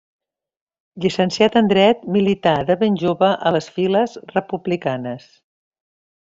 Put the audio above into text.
Llicenciat en dret, milità de ben jove a les files republicanes.